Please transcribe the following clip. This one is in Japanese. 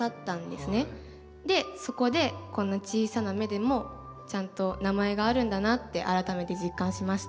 でそこでこんな小さな芽でもちゃんと名前があるんだなって改めて実感しました。